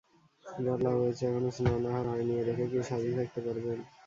বেলা হয়েছে, এখনো স্নানাহার হয় নি, এ দেখে কি সাধ্বী থাকতে পারবেন?